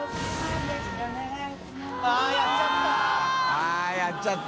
◆舛やっちゃった。